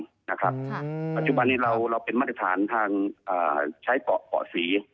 ปัจจุบันนี้เราเป็นมาตรฐานทางใช้เกาะเกาะศรี